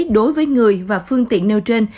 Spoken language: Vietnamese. đối với người và phương tiện nêu trên